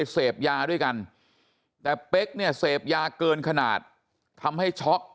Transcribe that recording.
เสพยาด้วยกันแต่เป๊กเนี่ยเสพยาเกินขนาดทำให้ช็อก